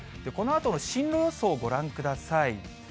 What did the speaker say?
このあとの進路予想をご覧ください。